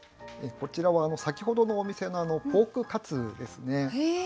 こちらは先ほどのお店のポークカツですね。